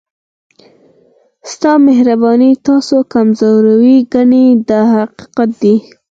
ستا مهرباني ستاسو کمزوري ګڼي دا حقیقت دی.